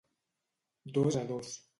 Dos a dos.